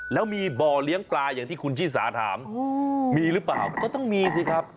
แล้วมีบ่อเลี้ยงปลาอย่างที่คุณชิสาถามมีหรือเปล่าก็ต้องมีสิครับ